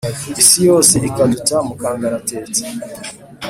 Isi yose ikaduta mu kangaratete